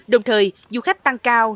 đồng thời du khách tăng cao